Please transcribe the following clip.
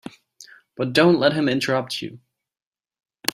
But don't let him interrupt you.